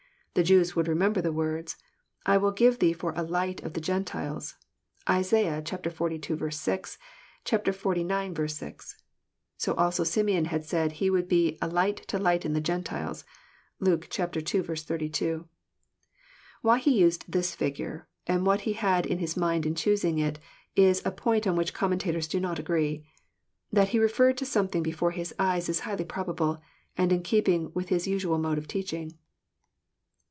The Jews would remember the words, —" I will give thee for a light of the Gen tiles.'* (Isai. xlii. 6 ; xllx. 6.) So also Simeon had said, he would be a " light to lighten the Gentiles." (Luke II. 82.) Why He used this figure, and what He had In His mind in choosing it. is a point on which commentators do not agree. That he referred to something before His eyes is highly probable, and in keep ing with His usual mode of teaching.